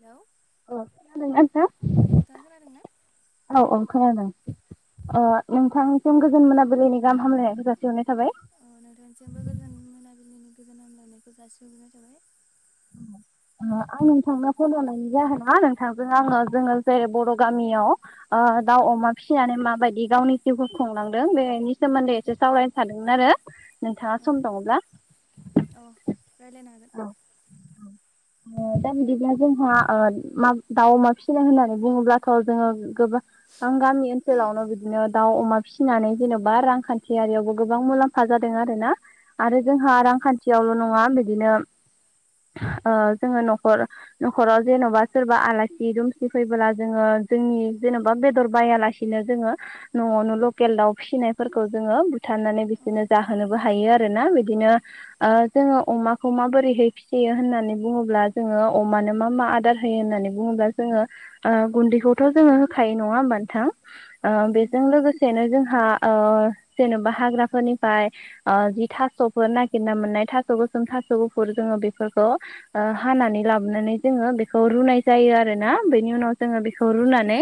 हेल' अ खोनादोंना नोंथां गोन नोंथाङा खोनादोंना औ औ खानादों ओ दे नोंथांनिसिम गोजोन मोना मोनाबिलिनि गाहाम हामलायनायखौ जासिहरनाय थाबाय अ नोंथांनिसिमबो गोजोन मोनाबिलिनि गोजोन हामलायनायखौ जासिहरग्रोनाय थाबाय उम आं नोंथांनो फन हरनायनि जाहोना नोंथांजों आङो जोङो जेरै बर' गामियाव ओ दाउ अमा फिसिनानै माबायदि गावनि जिउखौ खुंलांदों बेनि सोमोन्दै एसे सावराय सानदोंमोन आरो नोंथाङा सम दङब्ला अ रायलायनो हागोन औ [inaudible] दा बिदिब्ला जोंहा ओ मा दाउ अमा फिसिनाय होननानै बुङोब्लाथ' जोङो गोबां आं गामि ओनसोलावनो बिदिनो दाउ अमा फिसिनानै जेन'बा रांखान्थियारियावबो गोबां मुलाम्फा फा जादों आरोना आरो जोंहा रांखान्थियावल' नङा बिदिनो ओ जोङो न'खर न'खराव जेन'बा सोरबा आलासि दुमसि फैबोला जोङो जोंनि जेन'बा बेदर बायालासि बिदिनो जोङो न'आवनो लकेल दाउ फिसिनायफोरखौ जोङो बुथारनानै औ बिसोरनो जाहोनोबो हायो आरोना बिदिनो ओ जोङो अमा खौ माबोरैहाय फिसियो होननानै बुङोब्ला जोङो अमानो मा मा आदार होयो होननानै बुङोब्ला जोङो ओ गुन्दैखौथ' जोङो होखायो नङा होमबा नोंथां ओ उम बेजों लोगोसे नो जोंहा ओ जेनेबा हाग्राफोरनिफ्राय ओ जि थास'फोर नागिरना मोननाय थास' गोसोम थास' गुफुर जोङो बेफोरखौ ओ हानानै लाबोनानै जोङो बेखौ रुनाय जायो आरो ना बेनि उनाव जोङो बेखौ औ रुनानै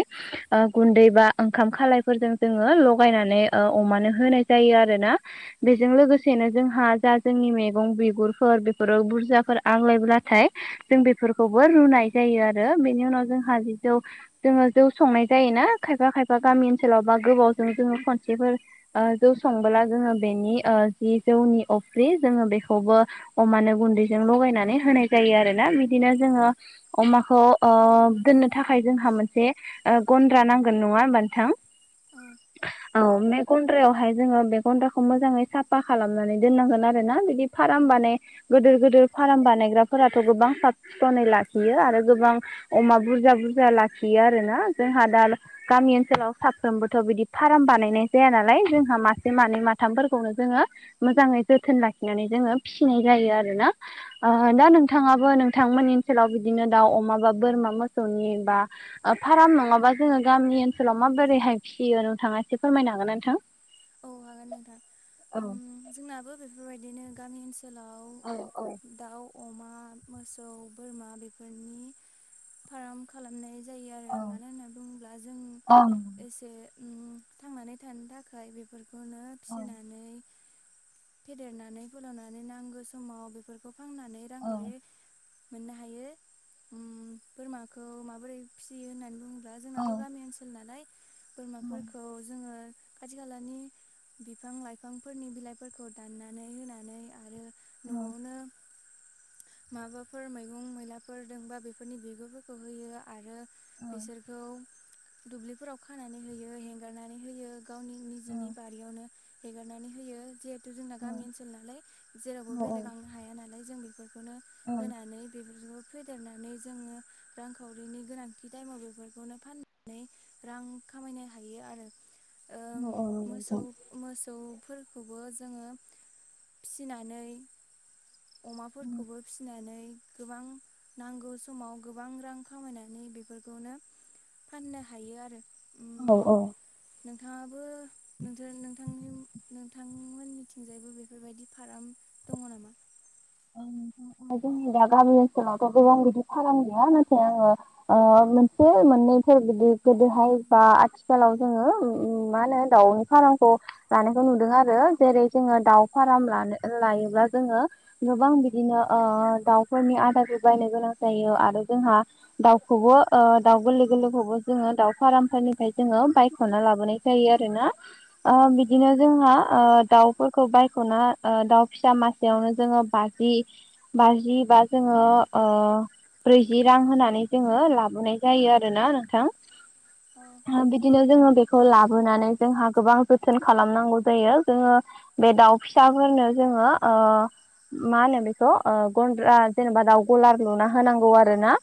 ओ गुन्दै बा ओंखाम खालायफोरजों जोङो लगायनानै ओ अमानो होनाय जायो आरोना। बेजों लोगोसेनो जोंहा जा जोंनि मैगं बिगुर फोर बेफोराव बुरजाफोर आग्लायब्लाथाय जों बेफोरखौबो रुनाय जायो आरो बेनि उनाव जोंहा जि जौ जोङो जौ संनाय जायो ना खायफा खायफा गामि ओनसोलाव बा गोबावजों जोङो खनसेफोर ओ जौ संबोला जोङो बेनि ओ जि जौनि अफ्रि जोङो बेखौबो अमानो गुन्दैजों लगायनानै होनाय जायो आरो ना बिदिनो औ जोङो अमाखौ ओ दोननो थाखाय जोंहा मोनसे ओ गन्द्रा नांगोन नङा होमबा नोंथां औ औ बे गन्द्रायावहाय जोङो बे गन्द्राखौ मोजाङै साफा खालामनानै दोननांगोन आरो ना बिदि फार्म बानाय गिदिर गिदिर फार्म बानायग्राफोराथ' गोबां साब सिखनै लाखियो आरो गोबां अमा बुरजा बुरजा लाखियो आरो ना जोंहा दा गामि ओनसोलाव साफ्रोमबोथ' बिदि फार्म बानायनाय जाया नालाय जोंहा मासे औ मानै माथामफोरखौनो जोङो मोजाङै जोथोन लाखिनानै जोङो फिसिनाय जायो आरोना। ओ दा नोंथाङाबो नोंथांमोननि ओनसोलाव बिदिनो दाउ अमा बा बोरमा मोसौनि बा फार्म नङाबा जोङो गामि ओनसोलाव माबोरैहाय फिसियो नोंथाङा एसे फोरमायनो हागोनना नोंथां। औ हागोन नोंथां औ उम जोंनाबो बेफोरबायदिनो गामि ओनसोल लाव औ औ दाउ अमा मोसौ बोरमा बेफोरनि फार्म खालामनाय जायो आरो औ मानो होननानै बुङोब्ला जों औ एसे ओम थांनानै थानो थाखाय बे बेनो औ फिनानै फेदेरनानै फोलावनानै नांगौ समाव बेफोर बेखौ फांनानै रांखरि मोननो हायो ओम बोरमाखौ माबोरै फिसियो होननानै बुङो औ जोंनाथ' गामि ओनसोल नालाय बोरमाफोरखौ जोङो खाथि खालानि बिफां लाइफांफोरनि बिलाइफोरखौ दाननानै होनानै आरो औ न'आवनो माबाफोर मैगं मैलाफोर दोंबा बेफोरनि बिगुरफोरखौ होयो आरो बिसोरखौ दुब्लिफोराव खानानै होयो हेंगारनानै होयो। गावनि औ औ निजेनि बारियावनो हेगारनानै होयो। जोंना औ गामि ओनसोल नालाय जेरावबो नंगौ बेलेग आंनो हाया नालाय जों बे खौनो नोंथां होनानै बेफोरखौ फेदेरनानै जोङो रांखावरिनि गोनांथि टाइमाव बेफोरखौनो फाननानै रां खामायनो हायो आरो। ओम मोसौ मोसौफोरखौबो जोङो अमाफोरखौबो फिसिनानै गोबां नांगौ समाव गोबां रां खामायनानै बेफोरखौनो फाननो हायो आरो। ओम औ औ नोंथाङाबो नोंथांनि नोंथांमोननिथिंजायबो बेफोरबायदि फार्म दङ नामा? ओं नोंथां जोंनि दा गामि ओनसोलावथ' गोबां बिदि फाराम गैया नाथाय आङो ओ मोनसे मोननैफोर बिदि गोदोहाय बा आथिखालाव जोङो ओम मा होनो दाउनि फार्मखौ लानायखौ नुदों आरो जेरै जोङो दाउ फार्म लानो लायोब्ला जोङो गोबां बिदिनो ओ दाउफोरनि आदारखौ बायनो गोनां जायो आरो जोंहा दाउखौबो ओ दाउ गोरलै गोरलैखौबो जोङो दाउ फार्मफोरनिफ्राय जोङो बायख'ना लाबोनाय जायो आरो ना। औ ओ बि दिनो जोंहा ओ दाउफोरखौ बायख'ना ओ दाउ फिसा मासेयावनो जोङो बाजि बाजि बा जोङो ओ ब्रैजि रां होनानै जोङो लाबोनाय जायो आरोना नोंथां। ओ आ बिदिनो जोङो बेखौ लाबोनानै जोंहा गोबां जोथोन खालामनांगौ जायो। जोङो बे दाउ फिसाफोरनो जोङो ओ मा होनो बेखौ ओ गन्द्रा जेनेबा दाउ गलार लुना होनांगौ आरो ना।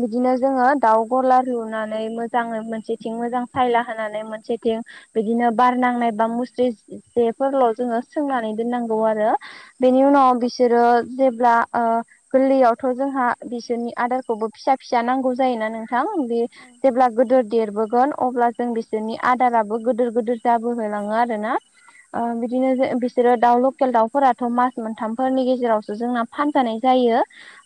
बिदिनो जोङो दाउ गला लुनानै मोजाङै मोनसेथिं मोजां सायला होनानै मोनसेथिं बिदिनो बार नांनाय बा मुस्रि जेफोरल' जोङो सोंनानै दोननांगौ आरो औ बेनि उनाव बिस सोरो जेब्ला गोरलैयावथ' जोंहा बिसोरनि आदारखौबो फिसा फिसा नांगौ जायोना नोंथां। बे औ जेब्ला गोदोर देरबोगोन अब्ला जों बिसोरनि आदाराबो गिदोर गिदिर जाबोहलाङो आरो ना। ओ बिदिनो बिसोरो दाउ लकेल दाउफोराथ मास मोनथाम फोरनि गेजेरावसो जोंना फानजानाय जायो।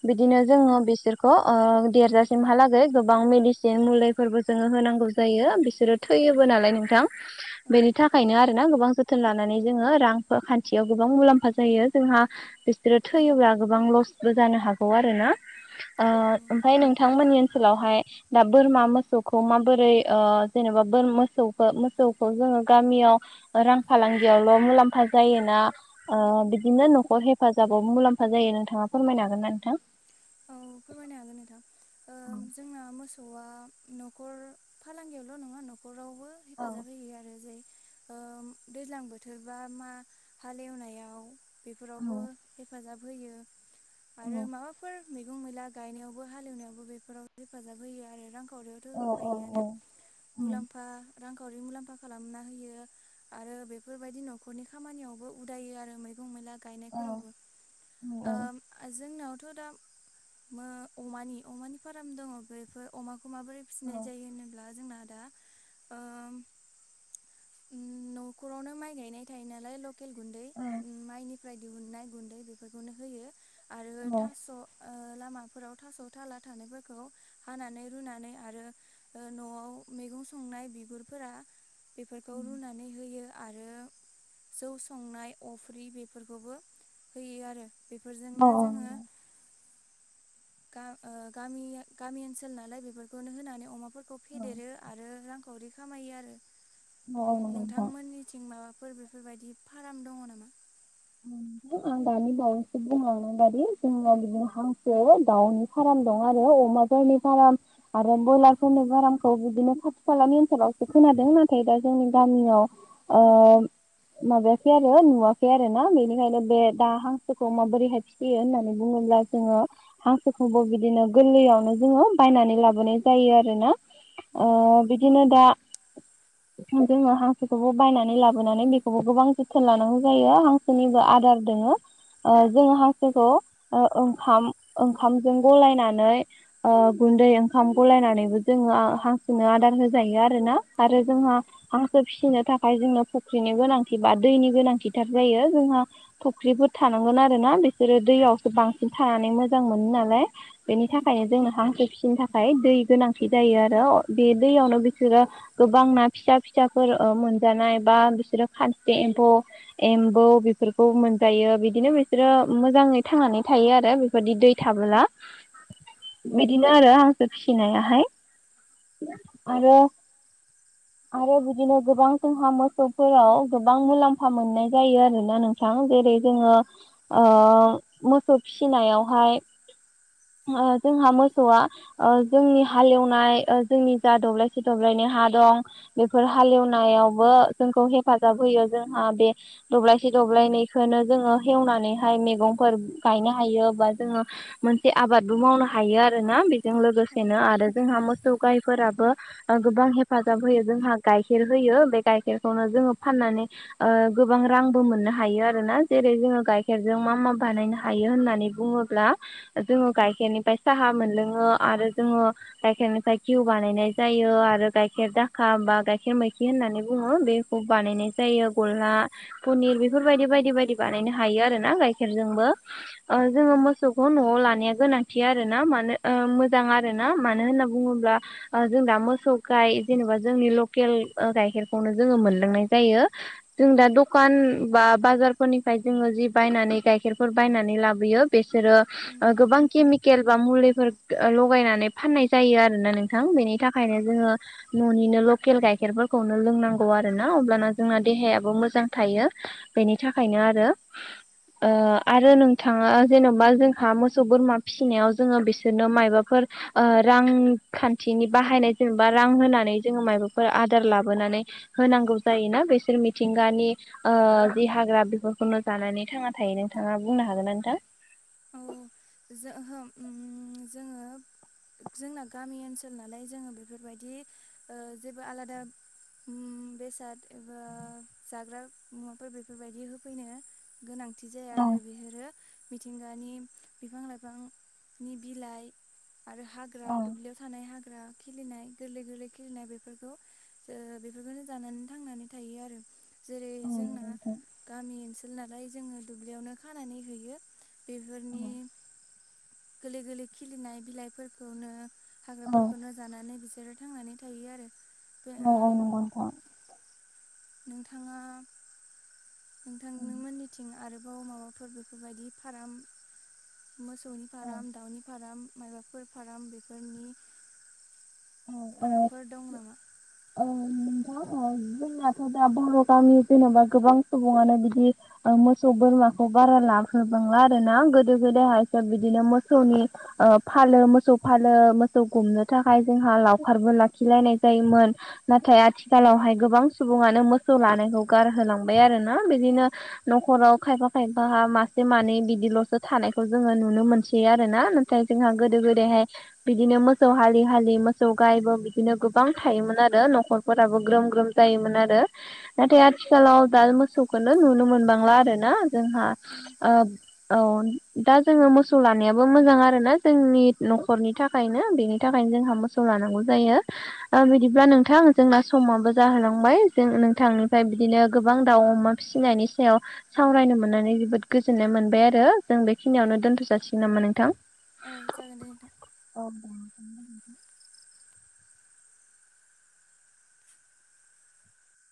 बिदिनो जोङो बिसोरखौ ओ देरजासिमहालागै गोबां मेडिसिन मुलि फोरबो जोङो होनांगौ जायो बिसोरो थैयोबो नालाय नोंथां। औ बेनि था खायनो आरो ना गोबां जोथोन लानानै जोङो रां खान्थियाव गोबां मुलाम्फा जायो। जोंहा बिसोरो थैयोब्ला गोबां लसबो जानो हागौ आरो ना। ओ औ ओमफाय नोंथांमोननि ओनसोलावहाय दा बोरमा मोसौखौ माबोरै ओ जेनेबा मोसौ मोसौखौ जोङो गामियाव रां फालांगियावल' मुलाम्फा जायोना ओ बिदिनो न' खर हेफाजाबाव मुलाम्फा जायो नोंथाङा फोरमायनो हागोन ना नोंथां? औ फोरमायनो हागोन नोंथां। ओम औ जोंना मोसौआ न'खर फालांगियावल' नङा न'खरावबो हेफाजाब होयो आरो जे ओ दैज्लां बोथोर बा मा हालेवनायाव औ बेफोरावबो, हेफाजाब होयो। आरो माबाफोर मैला गायनायावबो हालेवनायावबो बेफोराव हेफाजाब होयो आरो रांखावरियाव औ औ होखायो आनो मुलाम्फा रांखावरि मुलाम्फा खालामना होयो। आरो बेफोरबायदि न'खरनि खामानियावबो उदायो आरो मैगं मैला औ गायनायफोरावबो जोंनावथ' दा अमानि अमानि फार्म दङ बेफोर अमाखौ माबोरै फिसिनाय जायो होनोब्ला, जोंना दा ओ उम न'खरावनो माइ गायनाय थायो नालाय लकेल गुन्दै माइनिफ्राय दिहुननाय गुन्दै बेफोरखौनो होयो आरो औ थास' ओ लामाफोराव थास' थाला थानायफोरखौ हानानै रुनानै आरो ओ न'आव मैगं संनाय बिगुरफोरा बेफोरखौ रुनानै, होयो आरो जौ संनाय अफ्रि बेफोरखौबो होयो आरो औ बेफोरजोंनो जोङो औ गा ओ गामि ओनसोल नालाय बेफोरखौनो होनानै अमाफोरखौ फेदेरो आरो रां खावरि खामायो आरो नंगौ नोंथां। नोंथांमोननिथिं माबाफोर बे बेफोरबायदि फार्म दङ नामा? आं दानि बावहैसो बुंलांनाय बायदि जोंनाव हांसो दाउनि फार्म दं आरो अमाफोरनि फार्म, आरो ब्रयलारफोरनि फार्मखौ बिदिनो खाथि खालानि ओनसोलावसो खोनादों नाथाय दा जोंनि गामियाव, ओ माबायाखै आरो नुवाखै, आरोना बेनिखायनो बे दा हांसोखौ माबोरैहाय फिसियो होननानै बुङोब्ला जोङो, हांसोखौबो बिदिनो गोरलैयावनो जोङो बायनानै लाबोनाय जायो आरोना? ओ उम बिदिनो दा जोङो हांसोखौबो बायनानै लाबोनानै बेखौबो गोबां जोथोन लानांगौ जायो हांसो, निबो आदार दोङो ओ जोङो हांसोखौ ओंखाम ओंखामजों गलायनानै, ओ गुन्दै ओंखाम गलायनानैबो जोङो हांसोननो आदार होजायो आरो ना आरो औ जोंहा हाखौ फिसिनो थाखाय जोंनो फुख्रिनि गोनांथि बा दैनि गोनांथिथार जायो जोंहा, फख्रिफोर थानांगोन आरो ना बिसोरो दैयावसो बांसिन थानानै मोजां मोनो नालाय, बेनि थाखायनो जोंनो हांसो फिसिनो थाखाय दै गोनांथि जायो आरो बे दैयावनो बिसोरो, गोबां ना फिसा फिसाफोर मोनजानाय बा बिसोरो खान्थि एम्फौ, एम्बौ बेफोरखौ मोनजायो बिदिनो बिसोरो मोजाङै थांनानै थायो आरो बे बायदि दै थाबोला बिदिनो आरो हांसो फिसिनायाहाय, आरो आरो बिदिनो गोबां जोंहा मोसौफोराव गोबां मुलाम्फा मोननाय जायो आरोना नोंथां जेरै औ जोङो ओ मोसौ फिसिनायावहाय, ओहो जोंहा मोसौआ ओ जोंनि हालेवनाय जोंनि जा दब्लायसे दब्लायनि हा दं। बेफोर हालेवनायावबो जोंखौ हेफाजाब होयो जोंहा बे, दब्लायसे दब्लायनैखौनो जोङो एवनानैहाय मैगंफोर गायनो हायो बा जोङो, मोनसे आबादबो मावनो हायो आरोना बे जों लोगोसेनो आरो जोंहा मोसौ गायफोराबो गोबां हेफाजाब हेफाजाब होयो जोंहा गाइखेर होयो बे गाइखेरखौनो जोङो फाननानै गोबां रांबो मोननो हायो आरोना जेरै जोङो गाइखेरजों मा मा बानायनो हायो होननानै बुङोब्ला जोङो गाइखेरनिफ्राय साहा मोनलोङो आरो जोङो, गाइखेरनिफ्राय घिउ बानायनाय जायो। आरो गायखेर गाइखेर दाखा बा गाइखेर मैखेर होननानै बुङो बेखौ बानायनाय जायो ग्ला पनिर बेफोरबायदि बायदि बायदि बानायनो हायो आरो ना गायखेरजोंबो ओ औ जोङो मोसौ खौ न'आव लानाया गोनांथि आरो ना मानो ओ मोजां आरो ना मानो होनना बुङोब्ला आ जों दा मोसौ गाय जेनेबा जोंनि लकेल गाइखेरखौनो जोङो मोनलोंनाय जायो। जों दा द'खान बा बाजारफोरनिफ्राय जोङो जि बायनानै गाइखेरफोर बायनानै लाबोयो। बिसोरो उम गोबांखि खेलबाम मुलिफोर लगायनानै फाननाय जायो आरो ना नोंथां बेनि औ थाखायनो जोङो। न'निनो लकेल गाइखेरफोरखौनो लोंनांगौ आरो ना अब्लाना जोंना देहायाबो मोजां थायो। बेनि थाखायनो आरो। ओ आरो नोंथाङा जेन'बा जोंहा मोसौ बोरमा फिसिनायाव जोङो बिसोरनो मायबाफोर ओ रांखान्थिनि बाहायनाय जेनेबा रां होनानै जोङो माइबाफोर आदार लाबोनानै होनांगौ जायोना बिसोर मिथिंगानि ओ जि हाग्रा बेफोरखौनो जानानै थांना थायो नोंथाङा बुंनो हागोन ना नोंथां? औ जोहोम जोङो जोंना गामि ओनसोल नालाय जोङो बेफोरबायदि ओ जेबो आलादा बेसाद एबा जाग्रा मुवाफोर बेफोरबायदि होफैनो गोनांथि जाया औ आरो बिहोरो मिथिंगानि बिफां लाइफांनि बिलाइ आरो औ हाग्रा दुब्लियाव थानाय हाग्रा खिलिनाय गोरलै गोरलै खिलिनाय बेफोरखौ ओ बेफोरखौनो जानानै थांनानै थायो आरो। जेरै औ नंगौ जोंना नोंथां गामि ओनसोल नालाय जोङो दुब्लियावनो खानानै होयो। औ बेफोरनि गोरलै गोरलै खिलिनाय बिलाइफोरखौनो औ हाग्राफोरखौनो जानानै बिसोरो थांनानै थायो आरो। बे ओ नंगौ नंगौ नोंथां। नोंथाङा औ नोंथांमोननि थिं आरोबाव माबाफोर बेफोरबायदि फाराम मोसौनि फाराम, दाउनि फाराम, माइबाफोर फाराम बेफोरनि औ औ ओ फारामफोर दं नामा? [unintelligible] जोंनाथ' दा बर' गामि जेन'बा गोबां सुबुङानो बिदि ओ मोसौ बोरमाखौ बारा लाबोग्रोबांला आरो ना गोदो गोदायहाय बिदिनो मोसौनि ओ फालो मोसौ फालो मोसौ गुमनो थाखाय जोंहा लावखारबो लाखिलायनाय जायोमोन। नाथाय आथिखालावहाय गोबां सुबुङानो मोसौ लानायखौ गारहोलांबाय आरो ना बिदिनो न'खराव खायफा खायफाहा मासे मानै बिदिल'सो थानायखौ जोङो नुनो मोनसै आरो ना ना थाय जोंहा गोदो औ गोदायहाय बिदिनो मोसौ हालि हालि मोसौ गायबो बिदिनो गोबां थायोमोन आ रो न'खरफोराबो ग्रोम ग्रोम जायोमोन आरो। नाथाय आथिखालाव दा मोसौखौनो नुनो मोनबांला आरो ना जोंहा उम औ दा जोङो मोसौ लानायाबो मोजां आरो ना जोंनि न'खरनि था खायनो बेनि थाखायनो जोंहा मोसौ लानांगौ जायो ओ बिदिब्ला नों थां जोंना समाबो जाहोलांबाय जों औ नोंथांनिफ्राय बिदिनो गोबां दाउ अमा फिसिनायनि सायाव सावरायनो मोननानै जोबोद गोजोननाय मोनबाय आरो जों बेखिनियावनो दोनथ' जासिगोन नामा नोंथां? औ जागोन दे नोंथां। औ [unintelligible]